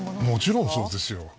もちろんそうですよ。